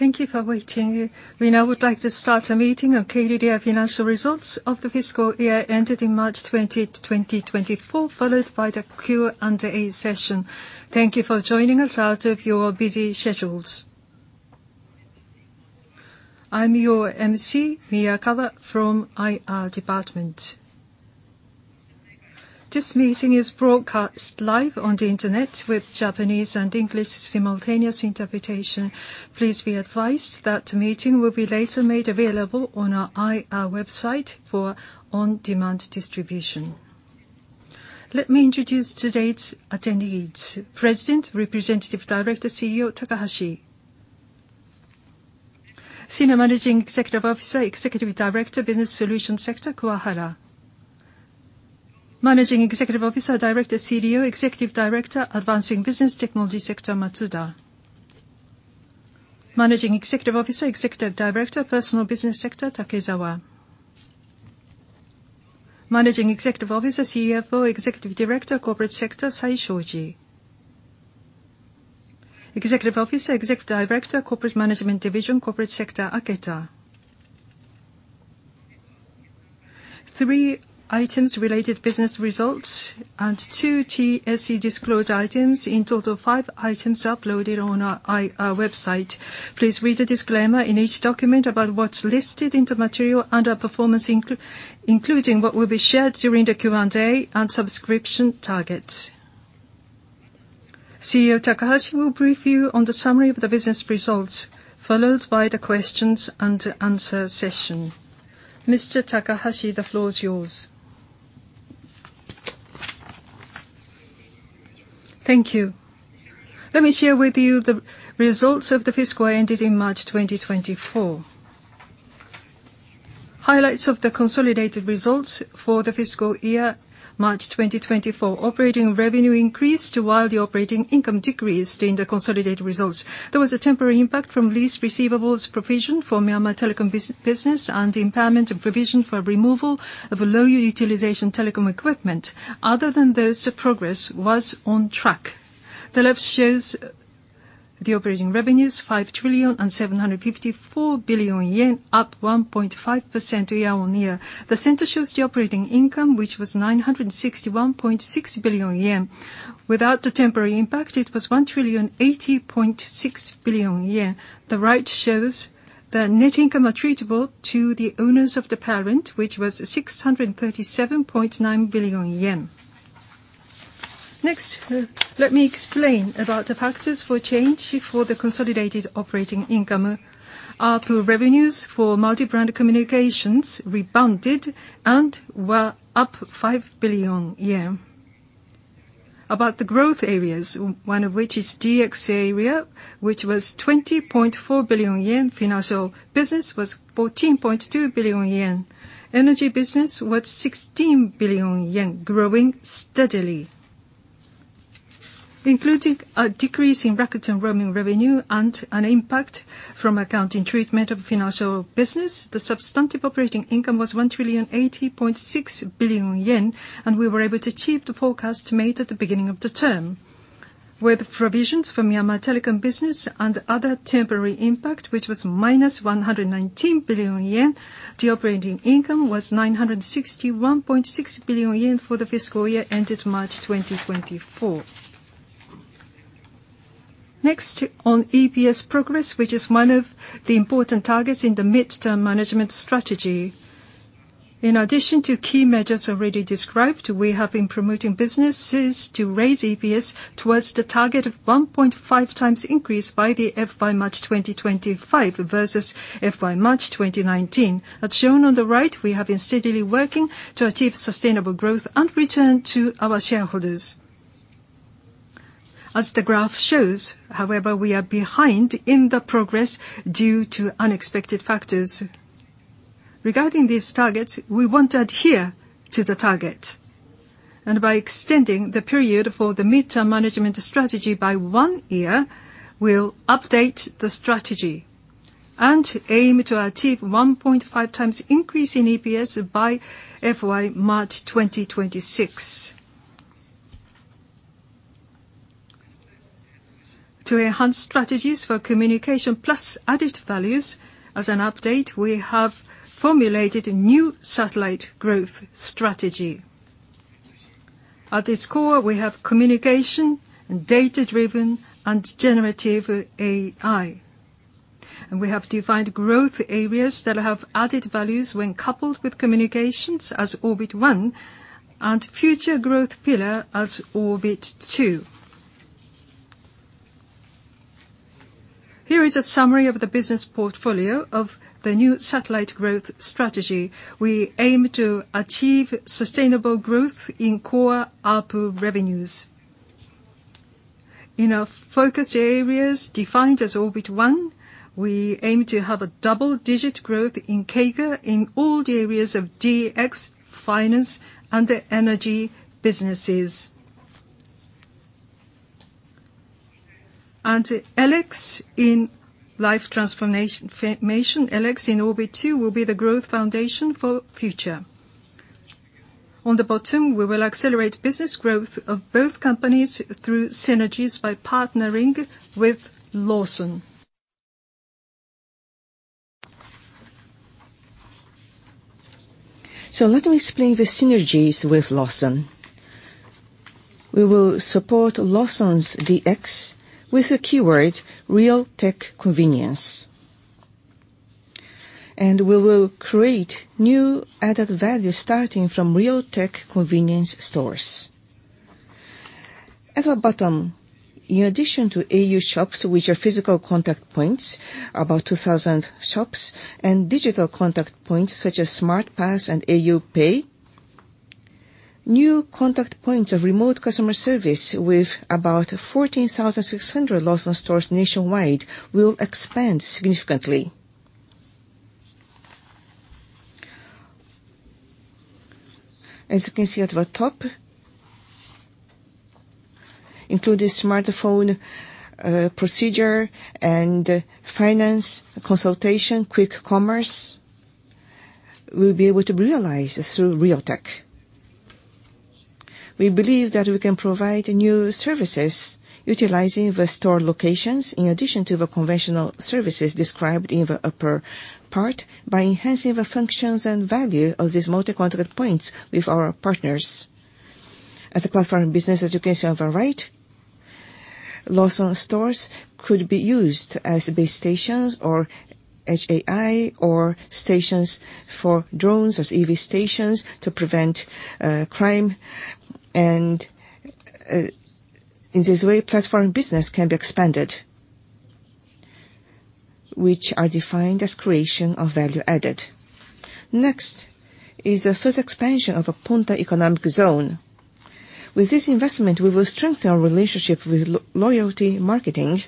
Thank you for waiting. We now would like to start a meeting on KDDI financial results of the fiscal year ended in March 2024, followed by the Q&A session. Thank you for joining us out of your busy schedules. I'm your emcee, Miyakawa, from IR Department. This meeting is broadcast live on the internet with Japanese and English simultaneous interpretation. Please be advised that the meeting will be later made available on our IR website for on-demand distribution. Let me introduce today's attendees: President, Representative Director, CEO Takahashi. Senior Managing Executive Officer, Executive Director, Business Solution Sector Kuwahara. Managing Executive Officer, Director, CDO, Executive Director, Advancing Business Technology Sector Matsuda. Managing Executive Officer, Executive Director, Personal Business Sector Takezawa. Managing Executive Officer, CFO, Executive Director, Corporate Sector Saishoji. Executive Officer, Executive Director, Corporate Management Division, Corporate Sector Aketa. Three items related to business results and two TSE disclosed items, in total five items uploaded on our IR website. Please read the disclaimer in each document about what's listed in the material and our performance, including what will be shared during the Q&A and subscription targets. CEO Takahashi will brief you on the summary of the business results, followed by the questions and answer session. Mr. Takahashi, the floor is yours. Thank you. Let me share with you the results of the fiscal year ended in March 2024. Highlights of the consolidated results for the fiscal year, March 2024: operating revenue increased while the operating income decreased in the consolidated results. There was a temporary impact from lease receivables provision for Myanmar telecom business and impairment provision for removal of low utilization telecom equipment. Other than those, the progress was on track. The left shows the operating revenues, 5,754 billion yen, up 1.5% year-on-year. The center shows the operating income, which was 961.6 billion yen. Without the temporary impact, it was 1,080.6 billion yen. The right shows the net income attributable to the owners of the parent, which was 637.9 billion yen. Next, let me explain about the factors for change for the consolidated operating income. Our revenues for multi-brand communications rebounded and were up 5 billion yen. About the growth areas, one of which is DX area, which was 20.4 billion yen. Financial business was 14.2 billion yen. Energy business was 16 billion yen, growing steadily. Including a decrease in records and roaming revenue and an impact from accounting treatment of financial business, the substantive operating income was 1,080.6 billion yen, and we were able to achieve the forecast made at the beginning of the term. With provisions for Myanmar telecom business and other temporary impact, which was -119 billion yen, the operating income was 961.6 billion yen for the fiscal year ended March 2024. Next, on EPS progress, which is one of the important targets in the mid-term management strategy. In addition to key measures already described, we have been promoting businesses to raise EPS towards the target of 1.5x increase by FY March 2025 versus FY March 2019. As shown on the right, we have been steadily working to achieve sustainable growth and return to our shareholders. As the graph shows, however, we are behind in the progress due to unexpected factors. Regarding these targets, we want to adhere to the target. By extending the period for the mid-term management strategy by one year, we'll update the strategy and aim to achieve 1.5x increase in EPS by FY March 2026. To enhance strategies for communication plus added values, as an update, we have formulated a new satellite growth strategy. At its core, we have communication, data-driven, and generative AI. We have defined growth areas that have added values when coupled with communications as Orbit 1 and future growth pillar as Orbit 2. Here is a summary of the business portfolio of the new satellite growth strategy. We aim to achieve sustainable growth in core ARPU revenues. In our focus areas defined as Orbit 1, we aim to have a double-digit growth in CAGR in all the areas of DX, finance, and energy businesses. LX in life transformation LX in Orbit 2 will be the growth foundation for future. On the bottom, we will accelerate business growth of both companies through synergies by partnering with Lawson. Let me explain the synergies with Lawson. We will support Lawson's DX with the keyword Real x Tech convenience. We will create new added value starting from Real x Tech convenience stores. At the bottom, in addition to au shops, which are physical contact points, about 2,000 shops, and digital contact points such as Smart Pass and au PAY, new contact points of remote customer service with about 14,600 Lawson stores nationwide will expand significantly. As you can see at the top, including smartphone procedure and finance consultation, quick commerce, we'll be able to realize through Real x Tech. We believe that we can provide new services utilizing the store locations in addition to the conventional services described in the upper part by enhancing the functions and value of these multi-contact points with our partners. As a platform business, as you can see on the right, Lawson stores could be used as base stations or AI or stations for drones as EV stations to prevent crime. And in this way, platform business can be expanded, which are defined as creation of value added. Next is the first expansion of a Ponta Economic Zone. With this investment, we will strengthen our relationship with Loyalty Marketing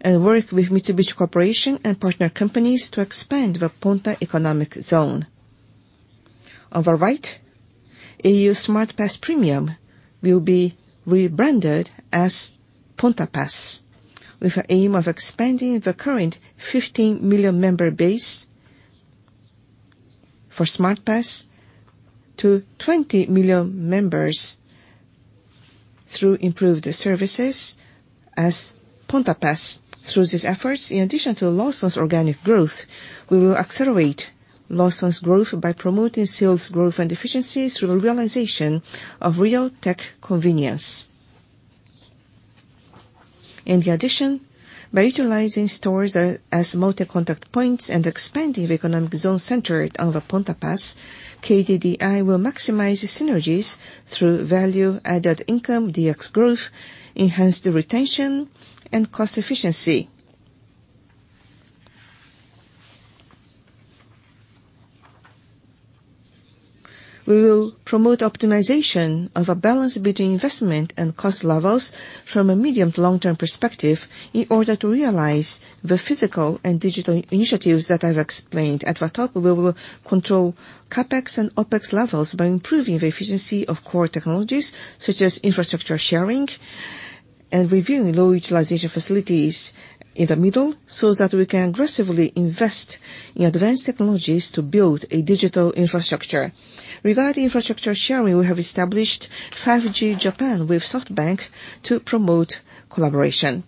and work with Mitsubishi Corporation and partner companies to expand the Ponta Economic Zone. On the right, au Smart Pass Premium will be rebranded as Ponta Pass with the aim of expanding the current 15 million member base for Smart Pass to 20 million members through improved services as Ponta Pass. Through these efforts, in addition to Lawson's organic growth, we will accelerate Lawson's growth by promoting sales growth and efficiency through the realization of Real x Tech convenience. In addition, by utilizing stores as multi-contact points and expanding the economic zone centered on the Ponta Pass, KDDI will maximize synergies through value added income DX growth, enhanced retention, and cost efficiency. We will promote optimization of a balance between investment and cost levels from a medium to long-term perspective in order to realize the physical and digital initiatives that I've explained. At the top, we will control CapEx and OpEx levels by improving the efficiency of core technologies such as infrastructure sharing and reviewing low utilization facilities in the middle so that we can aggressively invest in advanced technologies to build a digital infrastructure. Regarding infrastructure sharing, we have established 5G Japan with SoftBank to promote collaboration.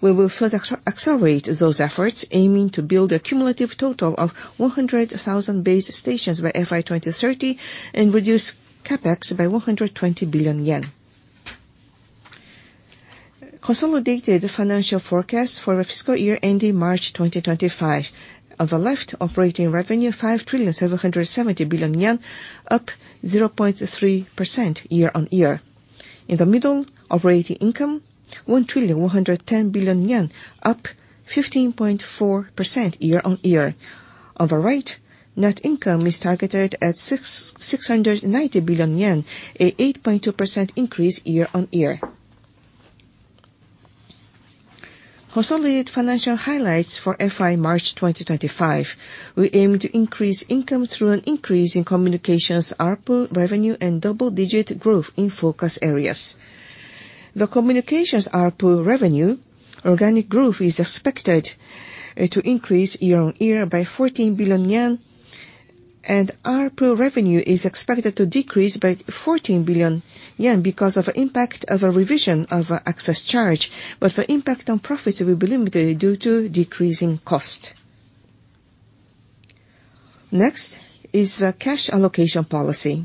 We will further accelerate those efforts aiming to build a cumulative total of 100,000 base stations by FY 2030 and reduce CapEx by 120 billion yen. Consolidated financial forecast for the fiscal year ending March 2025: on the left, operating revenue 5,770 billion yen, up 0.3% year-over-year. In the middle, operating income 1,110 billion yen, up 15.4% year-over-year. On the right, net income is targeted at 690 billion yen, a 8.2% increase year-over-year. Consolidated financial highlights for FY March 2025: we aim to increase income through an increase in communications ARPU revenue and double-digit growth in focus areas. The communications ARPU revenue organic growth is expected to increase year-on-year by 14 billion yen. ARPU revenue is expected to decrease by 14 billion yen because of the impact of a revision of access charge. The impact on profits will be limited due to decreasing cost. Next is the cash allocation policy.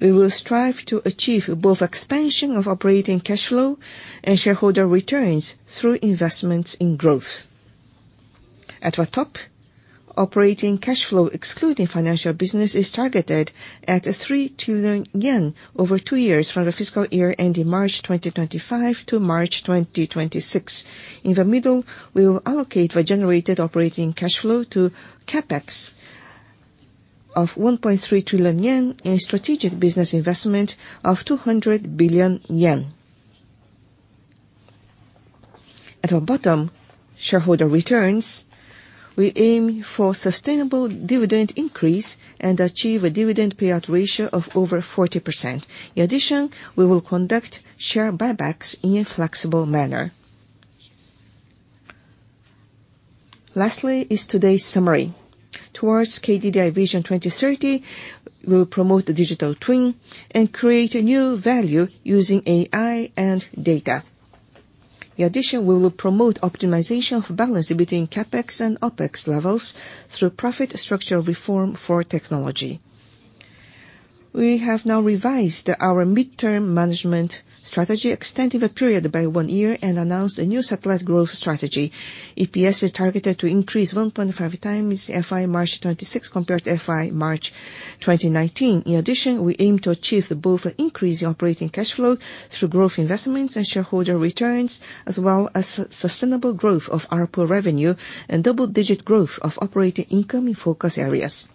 We will strive to achieve both expansion of operating cash flow and shareholder returns through investments in growth. At the top, operating cash flow excluding financial business is targeted at 3 trillion yen over two years from the fiscal year ending March 2025 to March 2026. In the middle, we will allocate the generated operating cash flow to CAPEX of 1.3 trillion yen and strategic business investment of 200 billion yen. At the bottom, shareholder returns. We aim for sustainable dividend increase and achieve a dividend payout ratio of over 40%. In addition, we will conduct share buybacks in a flexible manner. Lastly is today's summary. Towards KDDI Vision 2030, we will promote the digital twin and create new value using AI and data. In addition, we will promote optimization of balance between CAPEX and OPEX levels through profit structure reform for technology. We have now revised our mid-term management strategy extending the period by one year and announced a new satellite growth strategy. EPS is targeted to increase 1.5x FY March 2026 compared to FY March 2019. In addition, we aim to achieve both an increase in operating cash flow through growth investments and shareholder returns as well as sustainable growth of ARPU revenue and double-digit growth of operating income in focus areas.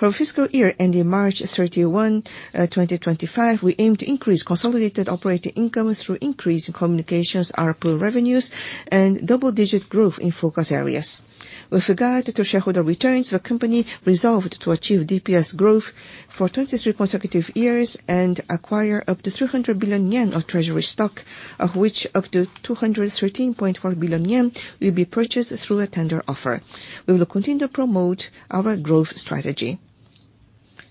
For the fiscal year ending March 31, 2025, we aim to increase consolidated operating income through increase in communications ARPU revenues and double-digit growth in focus areas. With regard to shareholder returns, the company resolved to achieve DPS growth for 23 consecutive years and acquire up to 300 billion yen of treasury stock, of which up to 213.4 billion yen will be purchased through a tender offer. We will continue to promote our growth strategy.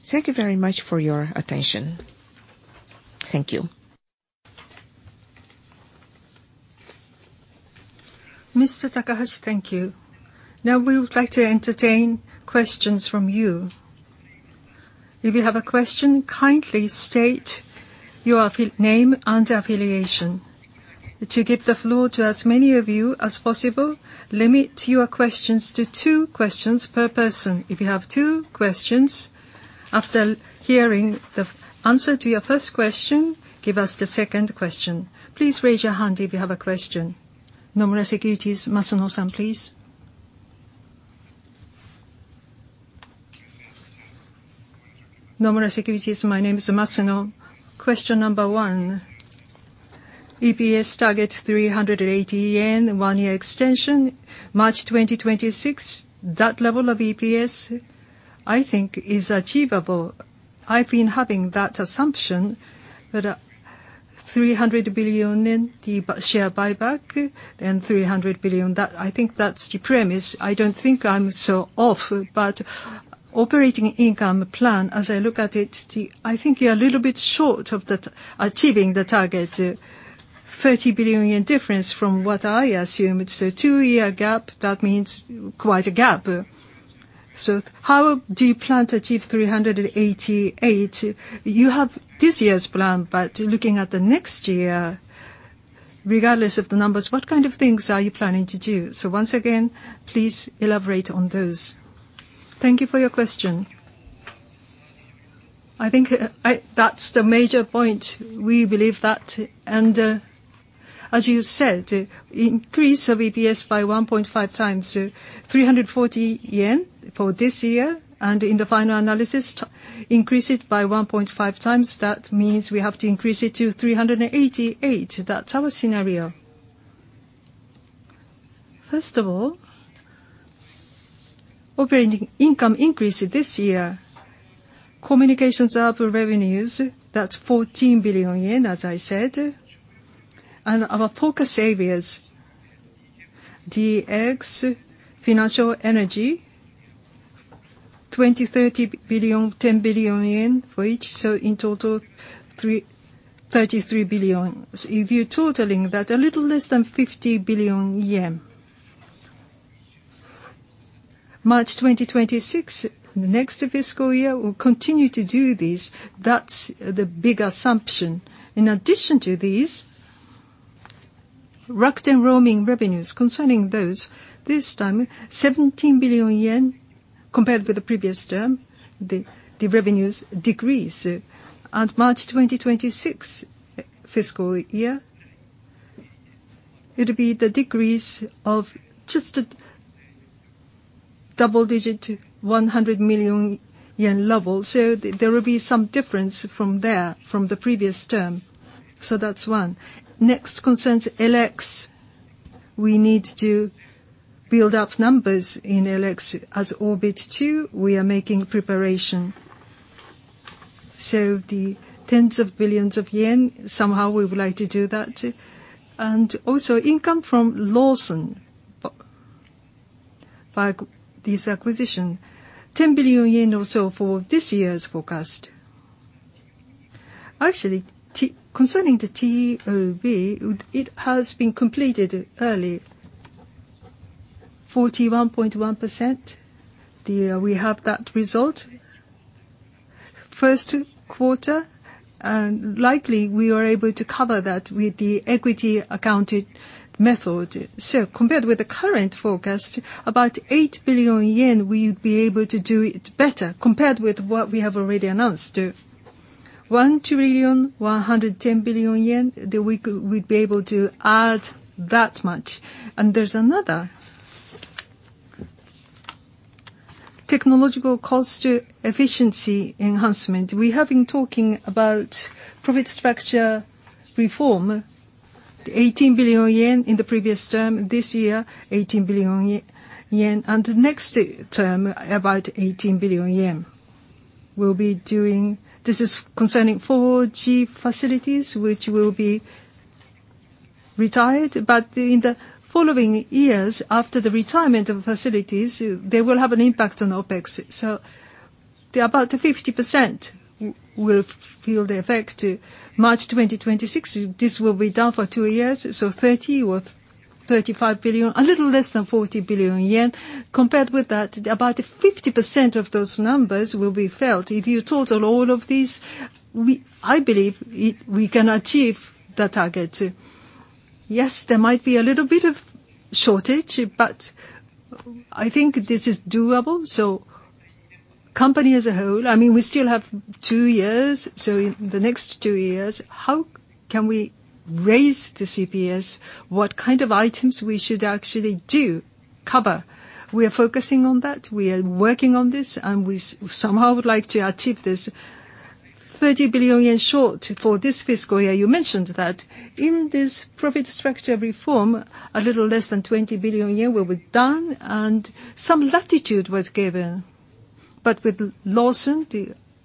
Thank you very much for your attention. Thank you. Mr. Takahashi, thank you. Now we would like to entertain questions from you. If you have a question, kindly state your name and affiliation. To give the floor to as many of you as possible, limit your questions to two questions per person. If you have two questions, after hearing the answer to your first question, give us the second question. Please raise your hand if you have a question. Nomura Securities, Masuno-san, please. Nomura Securities, my name is Masuno. Question number one. EPS target 380 yen, one-year extension, March 2026, that level of EPS, I think, is achievable. I've been having that assumption. But 300 billion share buyback and 300 billion that I think that's the premise. I don't think I'm so off. But operating income plan, as I look at it, I think you're a little bit short of achieving the target, 30 billion yen difference from what I assumed. So two-year gap, that means quite a gap. So how do you plan to achieve 388 JPY? You have this year's plan. But looking at the next year, regardless of the numbers, what kind of things are you planning to do? So once again, please elaborate on those. Thank you for your question. I think that's the major point. We believe that. And as you said, increase of EPS by 1.5 times, 340 yen for this year. And in the final analysis, increase it by 1.5 times. That means we have to increase it to 388. That's our scenario. First of all, operating income increase this year, communications ARPU revenues, that's 14 billion yen, as I said. And our focus areas, DX, finance, energy, 20 billion, 30 billion, 10 billion yen for each. So in total, 33 billion. So if you're totaling that, a little less than 50 billion yen. March 2026, the next fiscal year, we'll continue to do this. That's the big assumption. In addition to these, MNP and roaming revenues concerning those, this time, 17 billion yen compared with the previous term, the revenues decrease. And March 2026 fiscal year, it'll be the decrease of just a double-digit 100 million yen level. So there will be some difference from there, from the previous term. So that's one. Next concerns LX. We need to build up numbers in LX. As Orbit 2, we are making preparation. So the tens of billions of yen, somehow we would like to do that. And also income from Lawson by this acquisition, 10 billion yen or so for this year's forecast. Actually, concerning the TOB, it has been completed early, 41.1%. We have that result first quarter. And likely, we are able to cover that with the equity accounting method. So compared with the current forecast, about 8 billion yen, we would be able to do it better compared with what we have already announced. 1,110 billion yen, we'd be able to add that much. And there's another technological cost efficiency enhancement. We have been talking about profit structure reform, 18 billion yen in the previous term, this year, 18 billion yen. And the next term, about 18 billion yen, we'll be doing this is concerning 4G facilities, which will be retired. But in the following years, after the retirement of facilities, they will have an impact on OPEX. So about 50% will feel the effect. March 2026, this will be done for two years. So 30 billion or 35 billion, a little less than 40 billion yen. Compared with that, about 50% of those numbers will be felt. If you total all of these, I believe we can achieve the target. Yes, there might be a little bit of shortage, but I think this is doable. Company as a whole, I mean, we still have two years. In the next two years, how can we raise the EPS? What kind of items we should actually do, cover? We are focusing on that. We are working on this. We somehow would like to achieve this 30 billion yen short for this fiscal year. You mentioned that. In this profit structure reform, a little less than 20 billion will be done. Some latitude was given. But with Lawson,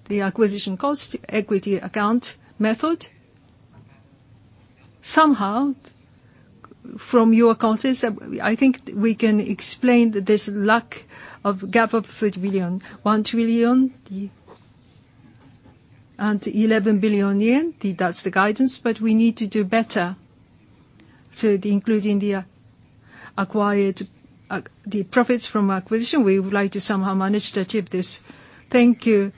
the acquisition cost equity account method, somehow from your accountants, I think we can explain this lack of gap of 30 billion yen, 1,011 billion yen. That's the guidance. We need to do better. So including the profits from acquisition, we would like to somehow manage to achieve this. Thank you.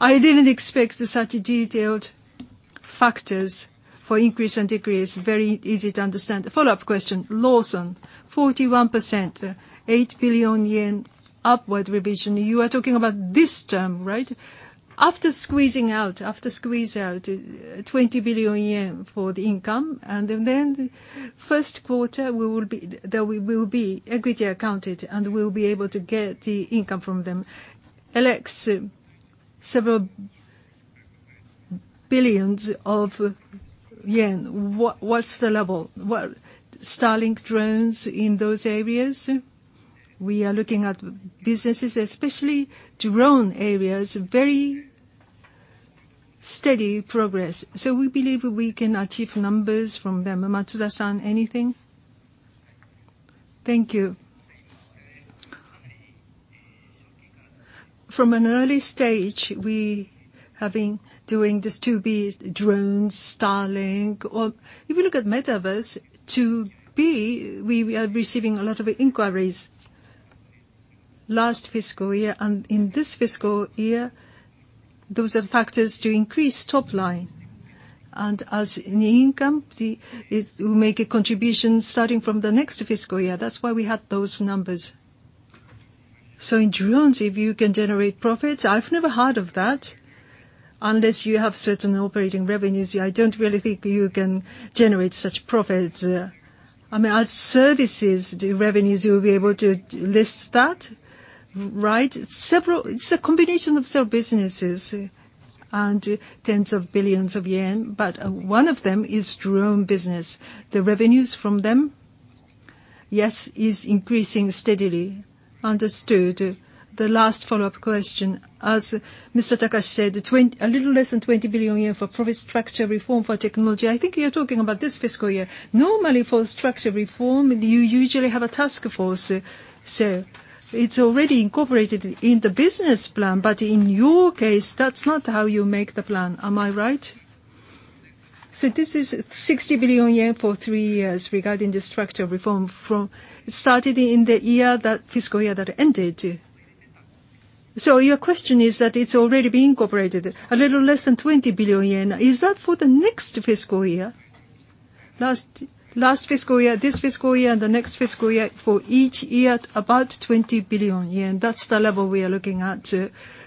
I didn't expect such detailed factors for increase and decrease. Very easy to understand. Follow-up question. Lawson, 41%, 8 billion yen upward revision. You are talking about this term, right? After squeezing out, after squeeze out 20 billion yen for the income. And then first quarter, there will be equity accounted. And we'll be able to get the income from them. LX, several billions of JPY. What's the level? Starlink drones in those areas? We are looking at businesses, especially drone areas, very steady progress. So we believe we can achieve numbers from them. Matsuda-san, anything? Thank you. From an early stage, we have been doing this toB, drones, Starlink. Or if you look at Metaverse, toB, we are receiving a lot of inquiries last fiscal year. In this fiscal year, those are factors to increase top line. As in the income, it will make a contribution starting from the next fiscal year. That's why we had those numbers. So in drones, if you can generate profits, I've never heard of that. Unless you have certain operating revenues, I don't really think you can generate such profits. I mean, as services, the revenues, you'll be able to list that, right? It's a combination of several businesses and tens of billions of JPY. But one of them is drone business. The revenues from them, yes, is increasing steadily. Understood. The last follow-up question. As Mr. Takashi said, a little less than 20 billion yen for profit structure reform for technology. I think you're talking about this fiscal year. Normally, for structure reform, you usually have a task force. So it's already incorporated in the business plan. But in your case, that's not how you make the plan. Am I right? So this is 60 billion yen for three years regarding the structure reform. It started in the fiscal year that ended. So your question is that it's already been incorporated, a little less than 20 billion yen. Is that for the next fiscal year? Last fiscal year, this fiscal year, and the next fiscal year, for each year, about 20 billion yen. That's the level we are looking at.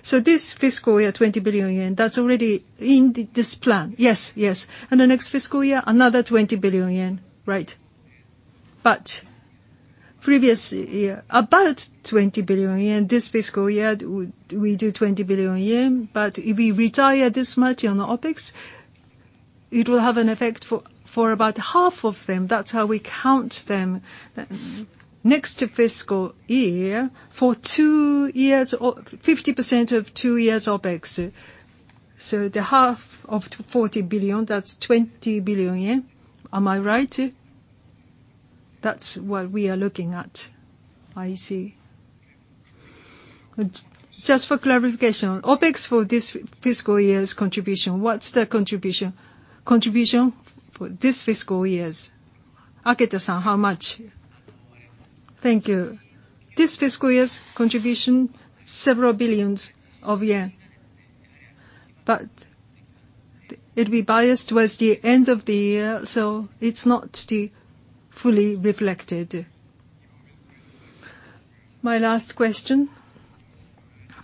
So this fiscal year, 20 billion yen, that's already in this plan. Yes, yes. And the next fiscal year, another 20 billion yen, right? But previous year, about 20 billion yen. This fiscal year, we do 20 billion yen. But if we retire this much on OPEX, it will have an effect for about half of them. That's how we count them. Next fiscal year, for two years, 50% of two years OPEX. So the half of 40 billion, that's 20 billion yen. Am I right? That's what we are looking at. I see. Just for clarification, OPEX for this fiscal year's contribution, what's the contribution? Contribution for this fiscal years, Aketa-san, how much? Thank you. This fiscal year's contribution, several billion JPY. But it'll be biased towards the end of the year. So it's not fully reflected. My last question.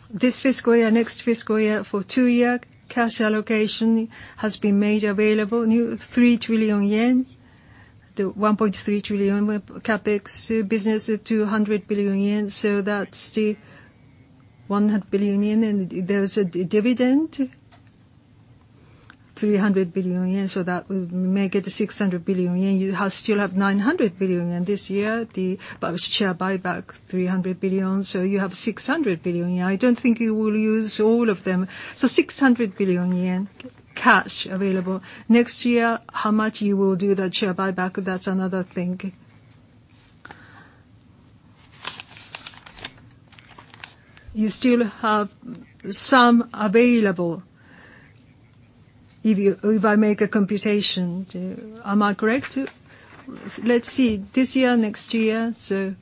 This fiscal year, next fiscal year, for two-year, cash allocation has been made available, 3 trillion yen, the 1.3 trillion CAPEX business, 200 billion yen. So that's the 100 billion yen. And there's a dividend, 300 billion yen. So that will make it 600 billion yen. You still have 900 billion yen this year, but it's share buyback, 300 billion. So you have 600 billion yen. I don't think you will use all of them. So 600 billion yen cash available. Next year, how much you will do that share buyback, that's another thing. You still have some available if I make a computation. Am I correct? Let's see. This year, next year, so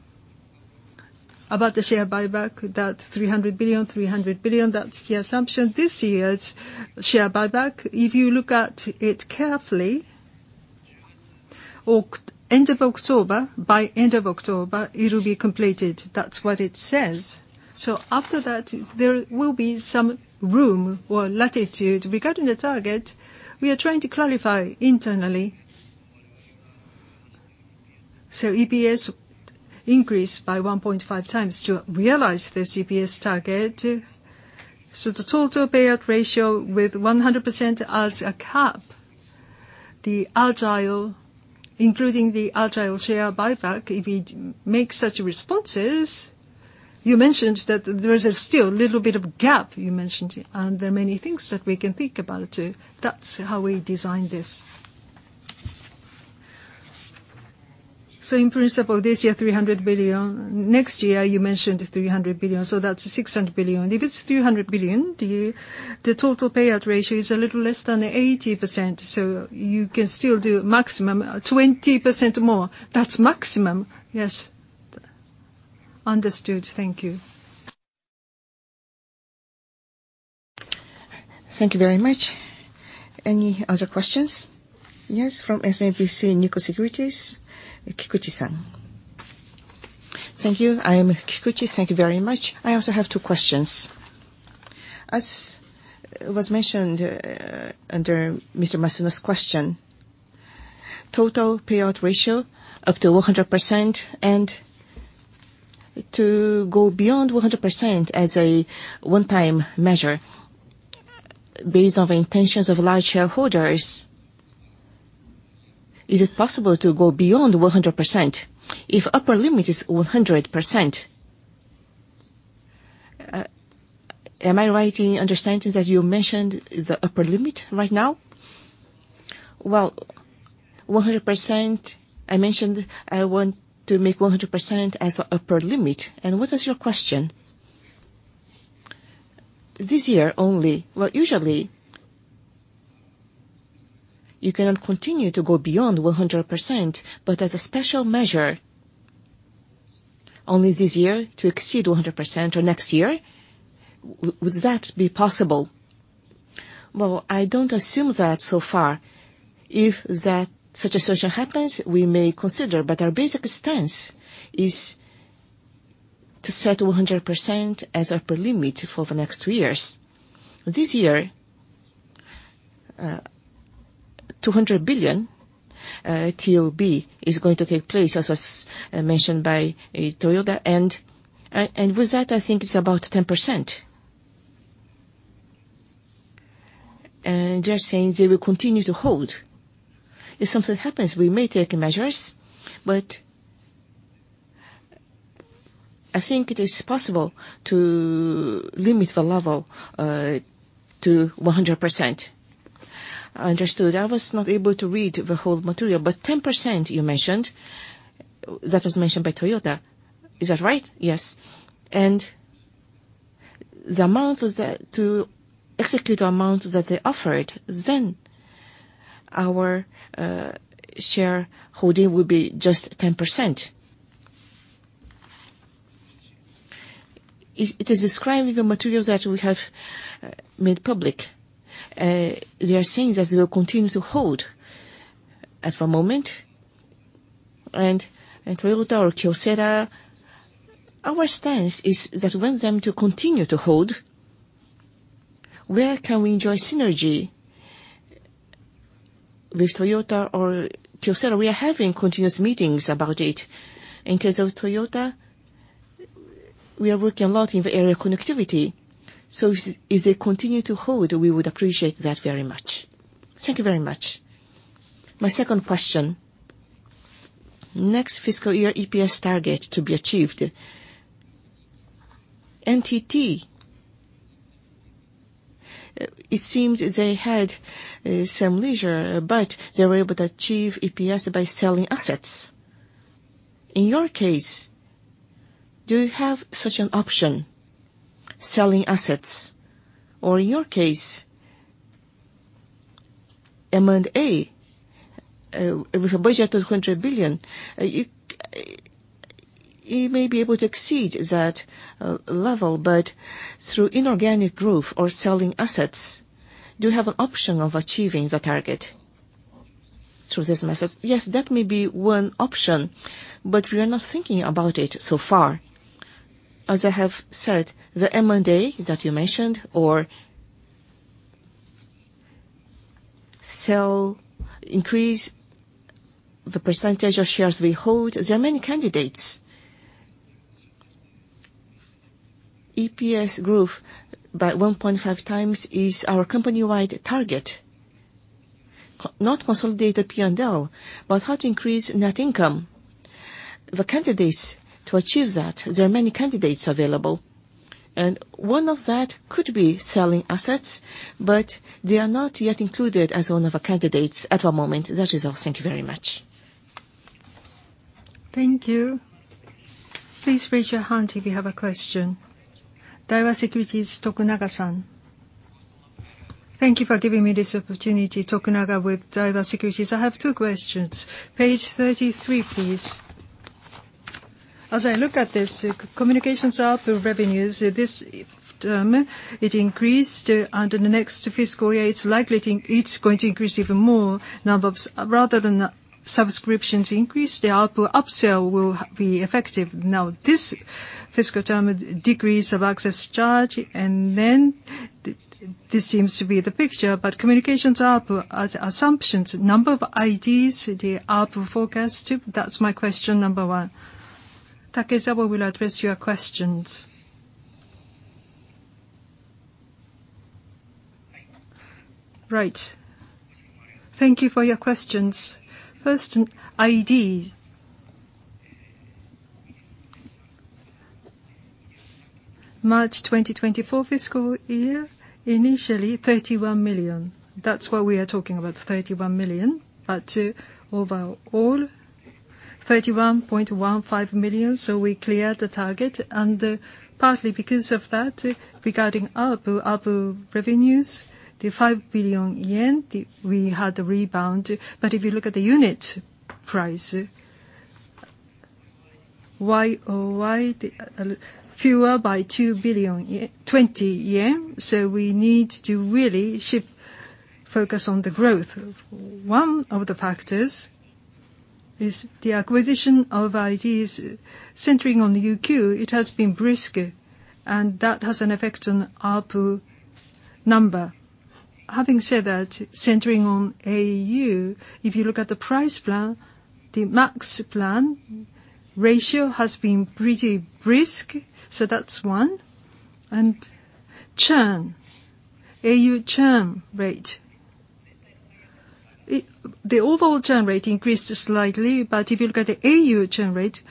about the share buyback, that 300 billion, 300 billion, that's the assumption. This year's share buyback, if you look at it carefully, end of October, by end of October, it'll be completed. That's what it says. So after that, there will be some room or latitude regarding the target. We are trying to clarify internally. So EPS increase by 1.5x to realize this EPS target. So the total payout ratio with 100% as a cap, including the agile share buyback, if we make such responses, you mentioned that there is still a little bit of gap, you mentioned. There are many things that we can think about. That's how we design this. In principle, this year, 300 billion. Next year, you mentioned 300 billion. So that's 600 billion. If it's 300 billion, the total payout ratio is a little less than 80%. So you can still do maximum 20% more. That's maximum. Yes. Understood. Thank you. Thank you very much. Any other questions? Yes, from SMBC Nikko Securities, Kikuchi-san. Thank you. I am Kikuchi. Thank you very much. I also have two questions. As was mentioned under Mr. Masuno's question, total payout ratio up to 100% and to go beyond 100% as a one-time measure based on the intentions of large shareholders, is it possible to go beyond 100% if upper limit is 100%? Am I right in understanding that you mentioned the upper limit right now? Well, 100%, I mentioned I want to make 100% as an upper limit. And what is your question? This year only. Well, usually, you cannot continue to go beyond 100%. But as a special measure, only this year to exceed 100% or next year, would that be possible? Well, I don't assume that so far. If such a situation happens, we may consider. But our basic stance is to set 100% as an upper limit for the next two years. This year, 200 billion TOB is going to take place, as was mentioned by Toyota. And with that, I think it's about 10%. And they are saying they will continue to hold. If something happens, we may take measures. But I think it is possible to limit the level to 100%. Understood. I was not able to read the whole material. But 10% you mentioned, that was mentioned by Toyota. Is that right? Yes. And the amount to execute the amount that they offered, then our share holding will be just 10%. It is described in the material that we have made public. They are saying that they will continue to hold at the moment. And Toyota or Kyocera, our stance is that we want them to continue to hold. Where can we enjoy synergy with Toyota or Kyocera? We are having continuous meetings about it. In case of Toyota, we are working a lot in the area of connectivity. So if they continue to hold, we would appreciate that very much. Thank you very much. My second question. Next fiscal year, EPS target to be achieved. NTT, it seems they had some leeway, but they were able to achieve EPS by selling assets. In your case, do you have such an option, selling assets? Or in your case, M&A, with a budget of 200 billion, you may be able to exceed that level. But through inorganic growth or selling assets, do you have an option of achieving the target through this method? Yes, that may be one option. But we are not thinking about it so far. As I have said, the M&A that you mentioned or increase the percentage of shares we hold, there are many candidates. EPS growth by 1.5x is our company-wide target, not consolidated P&L, but how to increase net income. The candidates to achieve that, there are many candidates available. And one of that could be selling assets. But they are not yet included as one of the candidates at the moment. That is all. Thank you very much. Thank you. Please raise your hand if you have a question. Daiwa Securities, Tokunaga-san. Thank you for giving me this opportunity, Tokunaga, with Daiwa Securities. I have two questions. Page 33, please. As I look at this, communications ARPU revenues. This term, it increased. In the next fiscal year, it's likely it's going to increase even more. Rather than subscriptions increase, the upsell will be effective. Now, this fiscal term, decrease of access charge. Then this seems to be the picture. But communications ARPU as assumptions. Number of IDs, they ARPU forecast. That's my question number one. Tokunaga, I will address your questions. Right. Thank you for your questions. First, ID. March 2024 fiscal year, initially 31 million. That's what we are talking about, 31 million. But overall, 31.15 million. So we cleared the target. Partly because of that, regarding upper revenues, the 5 billion yen, we had the rebound. But if you look at the unit price, YOY, fewer by 2 billion, 20 yen. So we need to really focus on the growth. One of the factors is the acquisition of IDs. Centering on UQ, it has been brisk. And that has an effect on upper number. Having said that, centering on AU, if you look at the price plan, the max plan ratio has been pretty brisk. So that's one. And churn, au churn rate. The overall churn rate increased slightly. But if you look at the au churn rate,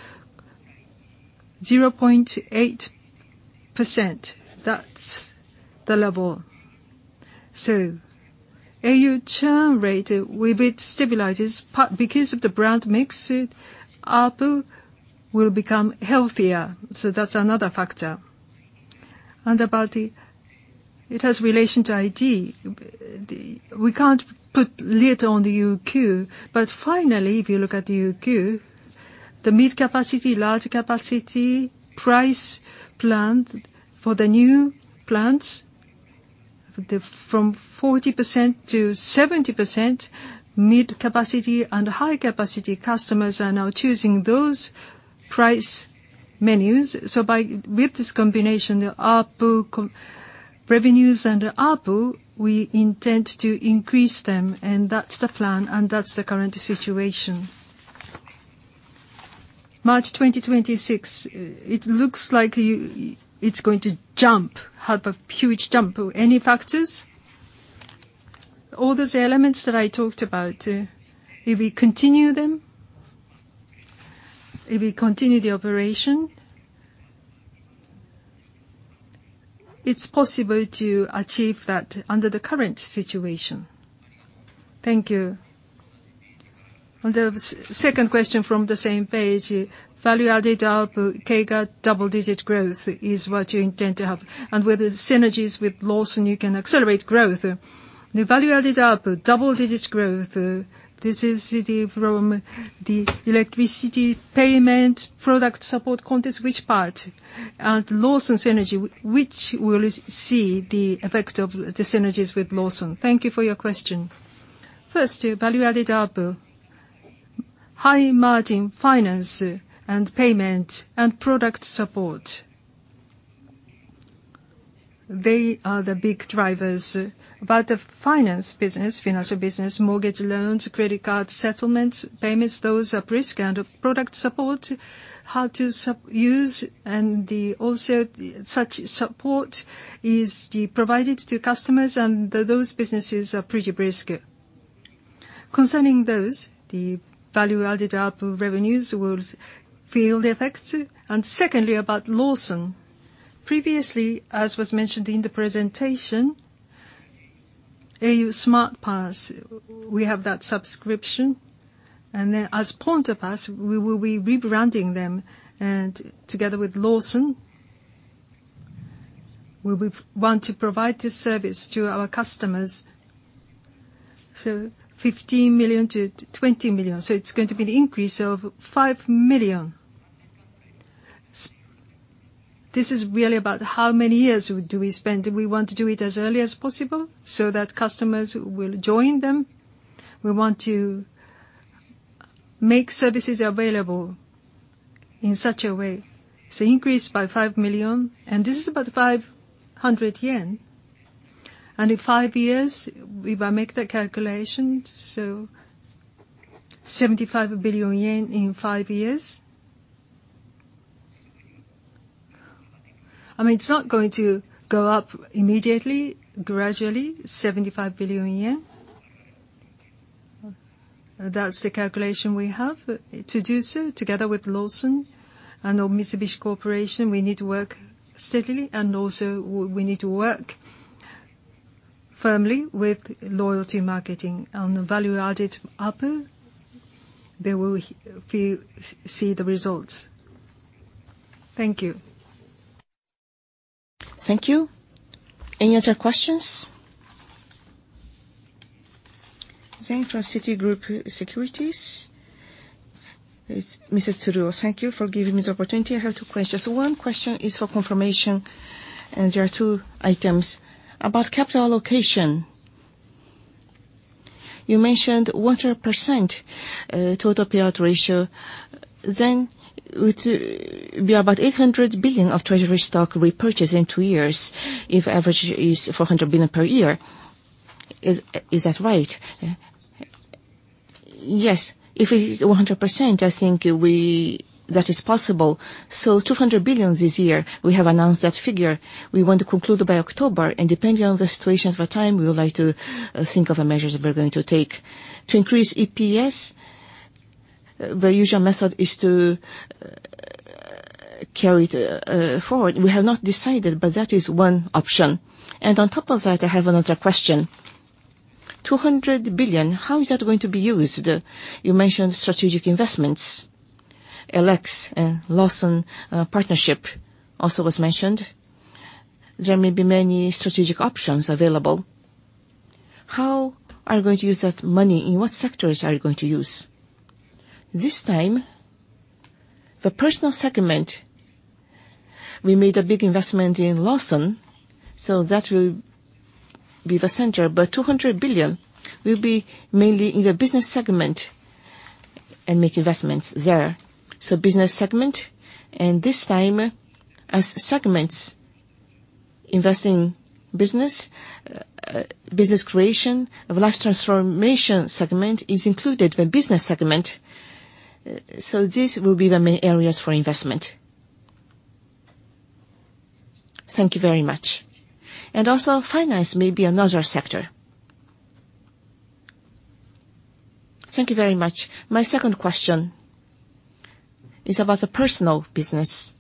0.8%. That's the level. So au churn rate, if it stabilizes because of the brand mix, upper will become healthier. So that's another factor. And about it has relation to ID. We can't put lid on the UQ. But finally, if you look at the UQ, the mid-capacity, large-capacity price plan for the new plans, from 40%-70% mid-capacity and high-capacity customers are now choosing those price menus. So with this combination, the ARPU revenues and the ARPU, we intend to increase them. And that's the plan. And that's the current situation. March 2026, it looks like it's going to jump, have a huge jump. Any factors? All those elements that I talked about, if we continue them, if we continue the operation, it's possible to achieve that under the current situation. Thank you. And the second question from the same page, value-added ARPU CAGR double-digit growth is what you intend to have. And with synergies with Lawson, you can accelerate growth. The value-added ARPU double-digit growth, this is from the electricity payment product support contest, which part? And Lawson synergy, which will see the effect of the synergies with Lawson? Thank you for your question. First, value-added upper. High-margin finance and payment and product support. They are the big drivers. But the finance business, financial business, mortgage loans, credit card settlements, payments, those are brisk. And product support, how to use. And also such support is provided to customers. And those businesses are pretty brisk. Concerning those, the value-added upper revenues will feel the effects. And secondly, about Lawson. Previously, as was mentioned in the presentation, au Smart Pass, we have that subscription. And then as Ponta Pass, we will be rebranding them. And together with Lawson, we will want to provide this service to our customers. So 15 million-20 million. So it's going to be an increase of 5 million. This is really about how many years do we spend. We want to do it as early as possible so that customers will join them. We want to make services available in such a way. So increase by 5 million. And this is about 500 yen. And in 5 years, if I make that calculation, so 75 billion yen in 5 years. I mean, it's not going to go up immediately, gradually, JPY 75 billion. That's the calculation we have. To do so together with Lawson and/or Mitsubishi Corporation, we need to work steadily. And also, we need to work firmly with Loyalty Marketing. On the value-added upper, they will see the results. Thank you. Thank you. Any other questions? Tsuruo from Citigroup Securities. It's Mr. Tsuruo. Thank you for giving me this opportunity. I have two questions. One question is for confirmation. And there are two items. About capital allocation. You mentioned 100% total payout ratio. Then, it would be about 800 billion of treasury stock repurchased in two years if average is 400 billion per year. Is that right? Yes. If it is 100%, I think that is possible. So 200 billion this year, we have announced that figure. We want to conclude by October. And depending on the situation at that time, we would like to think of a measure that we're going to take. To increase EPS, the usual method is to carry it forward. We have not decided. But that is one option. And on top of that, I have another question. 200 billion, how is that going to be used? You mentioned strategic investments. LX, Lawson partnership also was mentioned. There may be many strategic options available. How are you going to use that money? In what sectors are you going to use? This time, the personal segment, we made a big investment in Lawson. So that will be the center. But 200 billion will be mainly in the business segment and make investments there. So business segment. And this time, as segments, investing business, business creation, life transformation segment is included in the business segment. So these will be the main areas for investment. Thank you very much. And also, finance may be another sector. Thank you very much. My second question is about the personal business.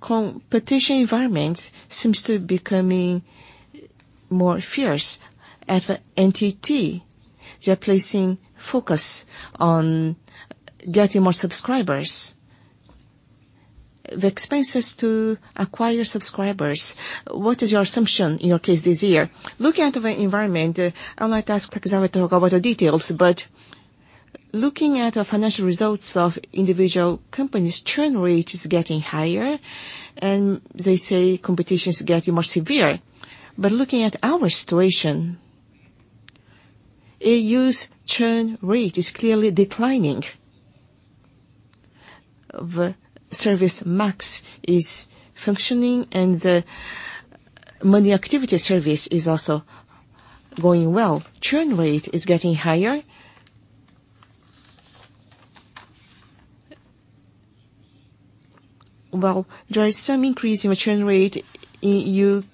Competitive environment seems to be becoming more fierce. As an entity, they are placing focus on getting more subscribers. The expenses to acquire subscribers, what is your assumption in your case this year? Looking at the environment, I might ask Hiroshi Takezawa the details. But looking at the financial results of individual companies, churn rate is getting higher. And they say competition is getting more severe. But looking at our situation, AU's churn rate is clearly declining. The Smart Pass is functioning. And the Money Activity service is also going well. Churn rate is getting higher. Well, there is some increase in the churn rate in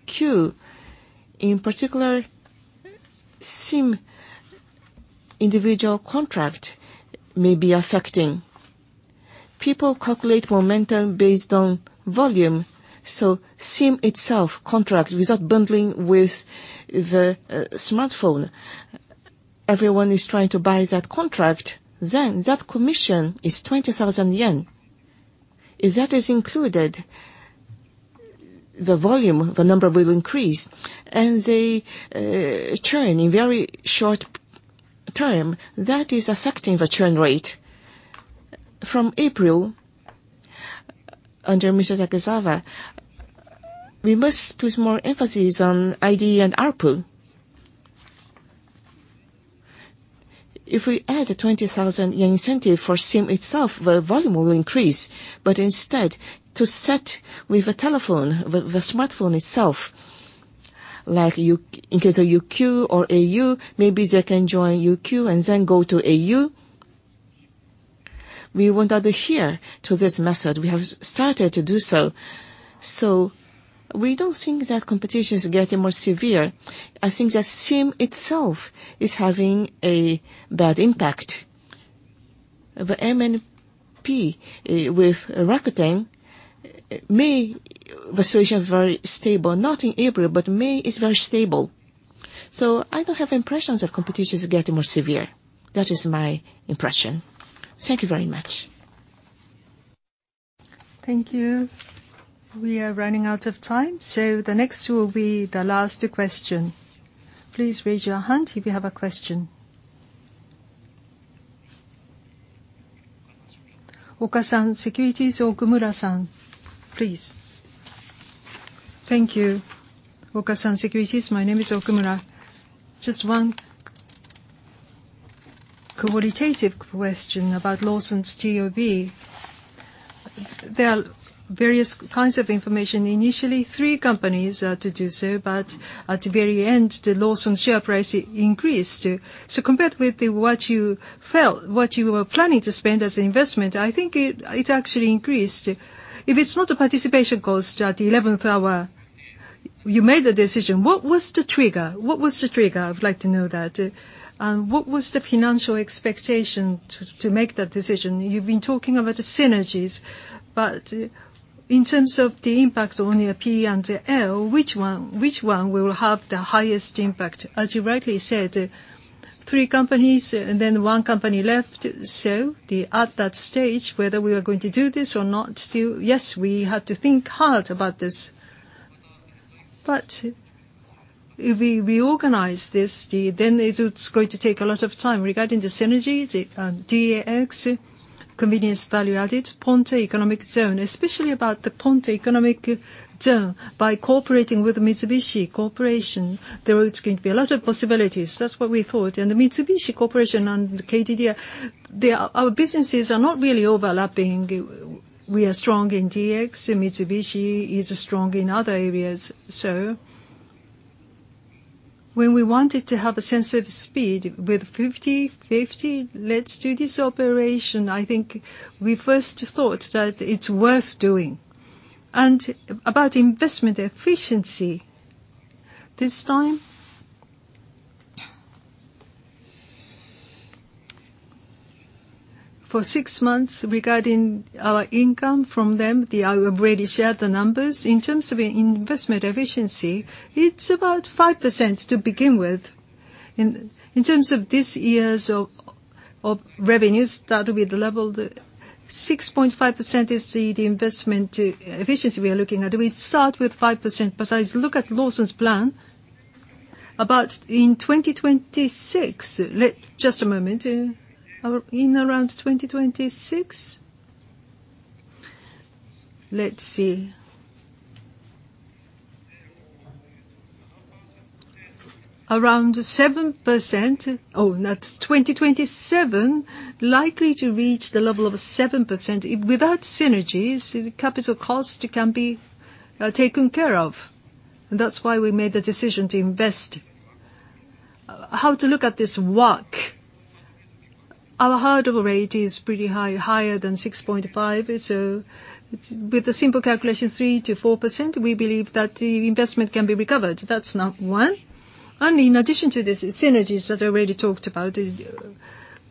UQ. In particular, SIM individual contract may be affecting. People calculate momentum based on volume. So SIM itself, contract without bundling with the smartphone, everyone is trying to buy that contract. Then, that commission is 20,000 yen. If that is included, the volume, the number will increase. And they churn in very short term. That is affecting the churn rate. From April, under Mr. Takezawa, we must put more emphasis on ID and upper. If we add a 20,000 yen incentive for SIM itself, the volume will increase. But instead, to set with the telephone, the smartphone itself, in case of UQ or AU, maybe they can join UQ and then go to AU. We want to adhere to this method. We have started to do so. So we don't think that competition is getting more severe. I think that SIM itself is having a bad impact. The MNP with Rakuten may the situation is very stable, not in April. But May is very stable. So I don't have impressions that competition is getting more severe. That is my impression. Thank you very much. Thank you. We are running out of time. So the next two will be the last two questions. Please raise your hand if you have a question. Okasan Securities or Okumura-san, please. Thank you. Okasan Securities, my name is Okumura. Just one qualitative question about Lawson's TOB. There are various kinds of information. Initially, three companies to do so. But at the very end, the Lawson share price increased. So compared with what you felt, what you were planning to spend as an investment, I think it actually increased. If it's not the participation cost at the 11th hour, you made the decision. What was the trigger? What was the trigger? I'd like to know that. And what was the financial expectation to make that decision? You've been talking about the synergies. But in terms of the impact on ARPU and the LX, which one will have the highest impact? As you rightly said, three companies and then one company left. So at that stage, whether we were going to do this or not, yes, we had to think hard about this. But if we reorganize this, then it's going to take a lot of time. Regarding the synergy, DX, convenience value added, Ponta Economic Zone, especially about the Ponta Economic Zone, by cooperating with Mitsubishi Corporation, there is going to be a lot of possibilities. That's what we thought. And the Mitsubishi Corporation and KDDI, our businesses are not really overlapping. We are strong in DX. Mitsubishi is strong in other areas. So when we wanted to have a sense of speed with 50/50, let's do this operation, I think we first thought that it's worth doing. And about investment efficiency this time, for six months, regarding our income from them, I've already shared the numbers. In terms of investment efficiency, it's about 5% to begin with. In terms of these years of revenues, that will be the level 6.5% is the investment efficiency we are looking at. We start with 5%. But I look at Lawson's plan. About in 2026, just a moment, in around 2026, let's see, around 7%. Oh, not 2027, likely to reach the level of 7%. Without synergies, capital cost can be taken care of. And that's why we made the decision to invest. How to look at this work? Our hurdle rate is pretty high, higher than 6.5. So with the simple calculation, 3%-4%, we believe that the investment can be recovered. That's number one. And in addition to this, synergies that I already talked about,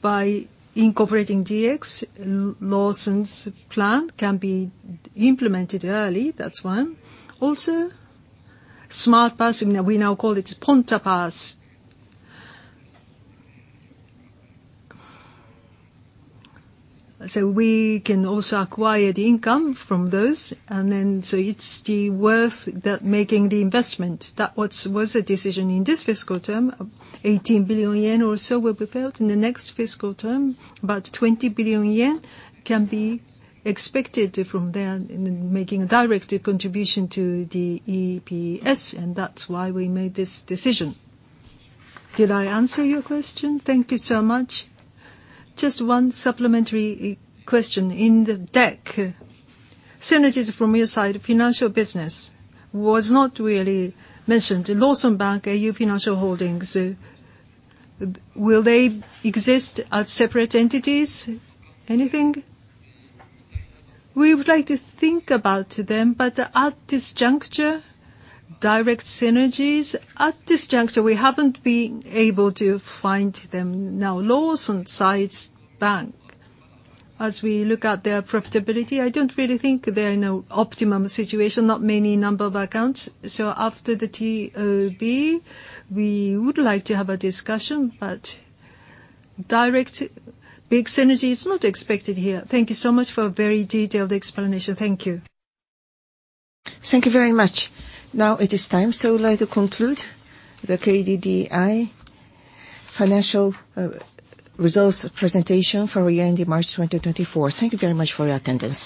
by incorporating DX, Lawson's plan can be implemented early. That's one. Also, Smart Pass, we now call it Ponta Pass. So we can also acquire the income from those. So it's worth making the investment. That was the decision in this fiscal term. 18 billion yen or so will be felt in the next fiscal term. About 20 billion yen can be expected from there, making a direct contribution to the EPS. That's why we made this decision. Did I answer your question? Thank you so much. Just one supplementary question in the deck. Synergies from your side, financial business was not really mentioned. Lawson Bank, au Financial Holdings, will they exist as separate entities? Anything? We would like to think about them. At this juncture, direct synergies, at this juncture, we haven't been able to find them now. Lawson Bank, as we look at their profitability, I don't really think they're in an optimum situation. Not many number of accounts. So after the TOB, we would like to have a discussion. But big synergy is not expected here. Thank you so much for a very detailed explanation. Thank you. Thank you very much. Now it is time. So I'd like to conclude the KDDI Financial Results presentation for year-end in March 2024. Thank you very much for your attendance.